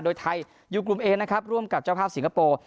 โดยไทยอยู่กลุ่มเอนะครับร่วมกับเจ้าภาพสิงคโปร์